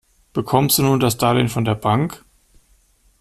Bekommst du nun das Darlehen von der Bank?